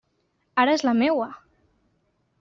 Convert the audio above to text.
Ara és la meua!